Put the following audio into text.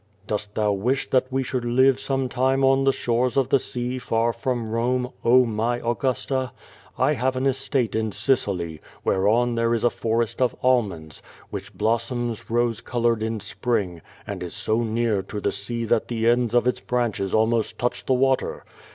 Dost thou wish that we should live some time on the shores of the sea far from Rome, oh, my Augusta? I have an es tate in Sicily, whereon there is a forest of almonds, which blossoms rose colored in Spring, and is so near to the sea that the ends of its branches almost touch the water.